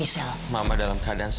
ini solat crucian ya